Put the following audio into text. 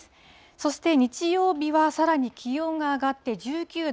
そして日曜日はさらに気温が上がって１９度。